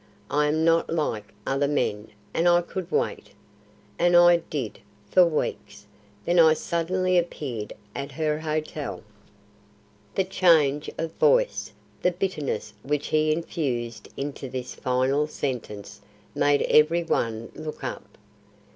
I am not like other men and I could wait. And I did, for weeks, then I suddenly appeared at her hotel." The change of voice the bitterness which he infused into this final sentence made every one look up.